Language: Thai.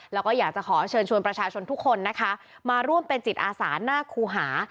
แล้วก็อยากจะขอเชิญชวนประชาชนทุกคนนะคะมาร่วมเป็นจิตอาสาหน้าครูหา